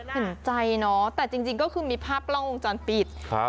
เห็นใจแต่จริงก็คือมีภาพล่องอุงจันติฤทธิ์